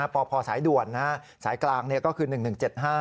พพสายด่วนสายกลางก็คือ๑๑๗๕